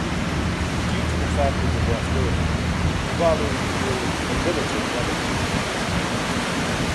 Due to the factors addressed earlier, Tuvalu yields a limited revenue from exports.